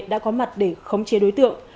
đã có mặt để khống chế đối tượng